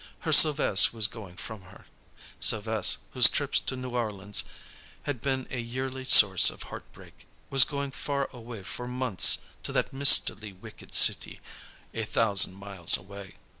Her Sylves' was going from her; Sylves', whose trips to New Orleans had been a yearly source of heart break, was going far away for months to that mistily wicked city, a thousand miles away.